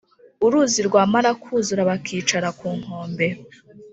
Uruzi rwamara kuzura bakicara kunkombe.